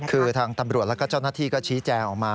คือทางตำรวจแล้วก็เจ้าหน้าที่ก็ชี้แจงออกมา